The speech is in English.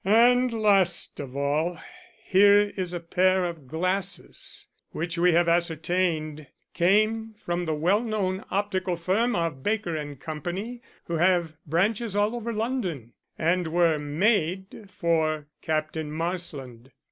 "And, last of all, here is a pair of glasses which we have ascertained came from the well known optical firm of Baker & Co., who have branches all over London, and were made for Captain Marsland."